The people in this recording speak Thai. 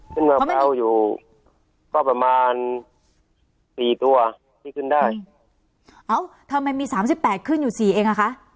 มะพร้าวอยู่ก็ประมาณสี่ตัวที่ขึ้นได้เอ้าทำไมมีสามสิบแปดขึ้นอยู่สี่เองอ่ะคะ